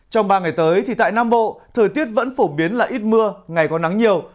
trong ba ngày tới thì tại nam bộ thời tiết vẫn phổ biến là ít mưa ngày có nắng nhiều